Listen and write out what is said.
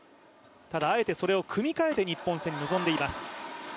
ただあえてそれを組み替えて日本戦に臨んでいます。